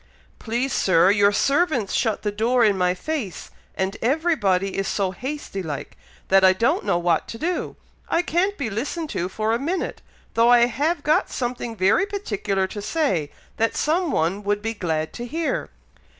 "Please, Sir, your servants shut the door in my face, and every body is so hasty like, that I don't know what to do. I can't be listened to for a minute, though I have got something very particular to say, that some one would be glad to hear."